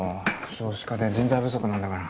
少子化で人材不足なんだから。